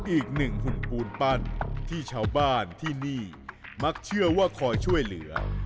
อีกหนึ่งหุ่นปูนปั้นที่ชาวบ้านที่นี่มักเชื่อว่าคอยช่วยเหลือ